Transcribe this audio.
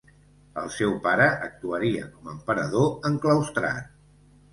El seu pare actuaria com emperador enclaustrat.